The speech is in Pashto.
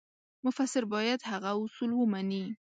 مفسر باید هغه اصول ومني.